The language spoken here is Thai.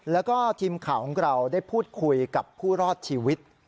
แล้วก็ทีมข่าวของเราได้พูดคุยกับผู้รอดชีวิต